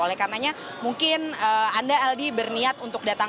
oleh karenanya mungkin anda aldi berniat untuk datang